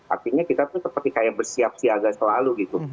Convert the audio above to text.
artinya kita tuh seperti kayak bersiap siaga selalu gitu